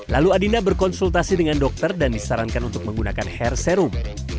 lalu adinda berkonsultasi dengan dokter dan disarankan untuk menggunakan hair serum